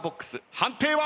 判定は？